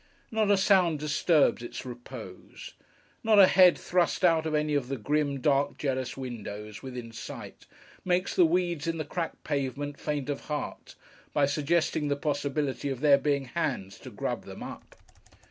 Not a sound disturbs its repose. Not a head, thrust out of any of the grim, dark, jealous windows, within sight, makes the weeds in the cracked pavement faint of heart, by suggesting the possibility of there being hands to grub them up.